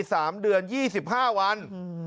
สามเดือนยี่สิบห้าวันอืม